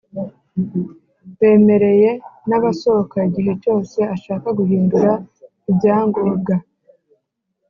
Bemereye n’ abasohoka igihe cyose ashaka guhindura ibyagobwa